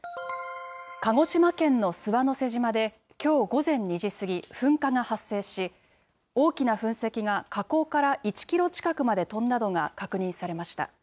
鹿児島県の諏訪之瀬島で、きょう午前２時過ぎ、噴火が発生し、大きな噴石が火口から１キロ近くまで飛んだのが確認されました。